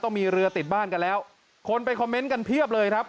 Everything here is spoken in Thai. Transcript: มีเรือติดบ้านกันแล้วคนไปคอมเมนต์กันเพียบเลยครับ